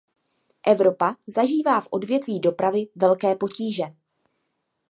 Evropa zažívá v odvětví dopravy velké potíže.